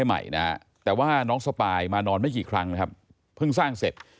ใหม่นะแต่ว่าน้องสปายมานอนไม่กี่ครั้งนะครับเพิ่งสร้างเสร็จ